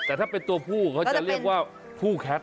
แต่ถ้าเป็นตัวผู้เขาจะเรียกว่าผู้แคท